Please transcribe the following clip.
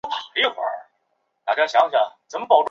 斯梅代雷沃是位于塞尔维亚东北部的一个城市。